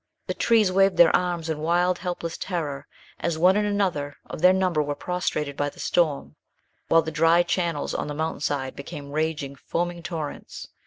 The trees waved their arms in wild, helpless terror as one and another of their number were prostrated by the storm, while the dry channels on the mountain side became raging, foaming torrents.